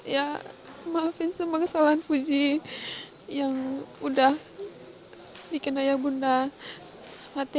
ya maafin semua kesalahan puji yang udah bikin ayah bunda mati